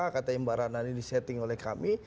katanya mbak rana ini disetting oleh kami